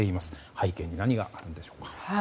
背景に何があるんでしょうか？